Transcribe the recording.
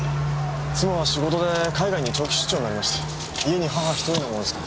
妻は仕事で海外に長期出張になりまして家に母一人なものですから。